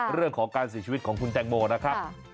เรื่องของการเสียชีวิตของคุณแตงโมนะครับ